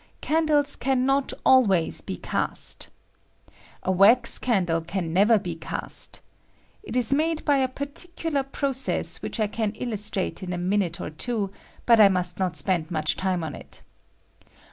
Candles can ^^H,'not always be cast A wax caudle can never ^^H be cast. It is made by a particular process ^^H which I can illustrate in a minute or two, but ^^F I must not spend much time on it.